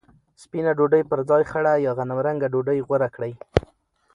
سپینه ډوډۍ پر ځای خړه یا غنمرنګه ډوډۍ غوره کړئ.